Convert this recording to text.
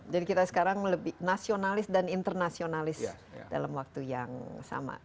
jadi kita sekarang lebih nasionalis dan internasionalis dalam waktu yang sama